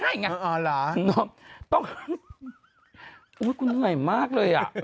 อันนี้เค้าเหนื่อยมากเลยอ่ะ